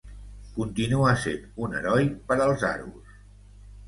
Continua sent un heroi per als aros.